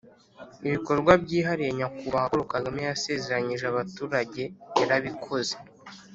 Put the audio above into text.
Ibikorwa byihariye Nyakubahwa Paul Kagame yasezeranyije abaturage yarabikoze.